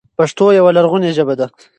پښتو يوه لرغونې ژبه ده،